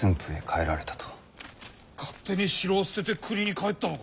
勝手に城を捨てて国に帰ったのか。